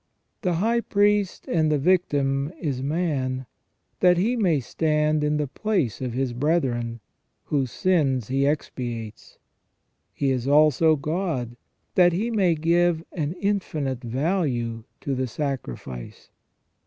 The high priest and victim is man, that He may stand in the place of His brethren, whose sins He expiates ; He is also God, that He may give an infinite value to the sacrifice.